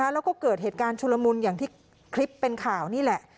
แล้วก็เกิดเหตุการณ์ชุลมุนอย่างที่คลิปเป็นข่าวนี่แหละ